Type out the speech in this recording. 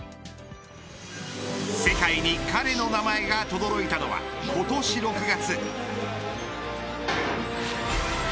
世界に彼の名前が轟いたのは今年６月。